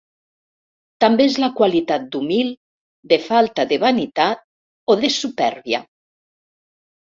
També és la qualitat d'humil, de falta de vanitat o de supèrbia.